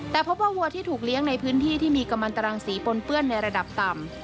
แต่พบว่าวัวที่ถูกเลี้ยงในพื้นที่ที่มีกำลังตรังสีปนเปื้อนในระดับต่ำ